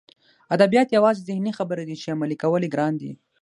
ادبیات یوازې ذهني خبرې دي چې عملي کول یې ګران دي